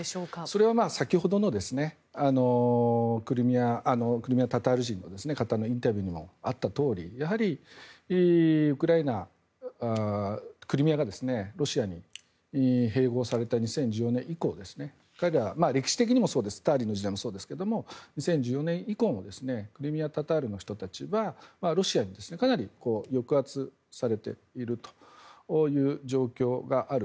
それは先ほどのクリミア・タタール人の方のインタビューにもあったとおりやはりクリミアが、ロシアに併合された２０１４年以降歴史的にもそうですスターリンの時代もそうですが２０１４年以降もクリミア・タタールの人たちはロシアにかなり抑圧されているという状況がある。